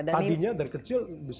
tadinya dari kecil bisa